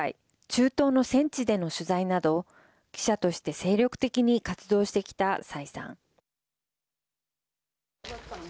中東の戦地での取材など記者として精力的に活動してきた蔡さん。